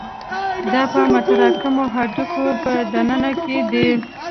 دا په متراکمو هډوکو په دننه کې دي.